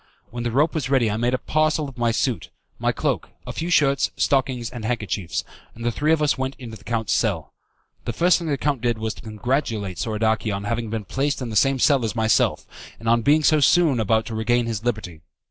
When the rope was ready I made a parcel of my suit, my cloak, a few shirts, stockings, and handkerchiefs, and the three of us went into the count's cell. The first thing the count did was to congratulate Soradaci on having been placed in the same cell as myself, and on being so soon about to regain his liberty.